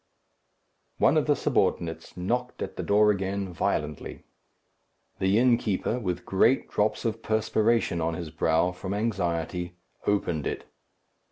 One of the subordinates knocked at the door again violently. The innkeeper, with great drops of perspiration on his brow, from anxiety, opened it.